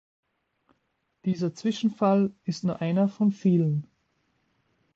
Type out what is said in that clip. Dieser Zwischenfall ist nur einer von vielen.